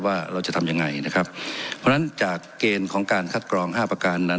ว่าเราจะทำยังไงนะครับเพราะฉะนั้นจากเกณฑ์ของการคัดกรองห้าประการนั้น